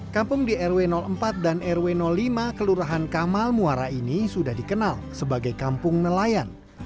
kampung di rw empat dan rw lima kelurahan kamal muara ini sudah dikenal sebagai kampung nelayan